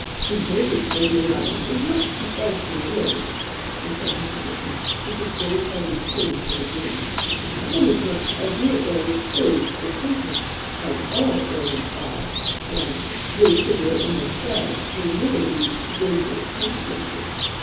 "Important, my dear madam, is not precisely the word," returned the physician, with his gold headed cane to his nose; "inasmuch as your ailment is important—as all ailments are, when, though trivial in themselves, they may lead to dangerous consequences.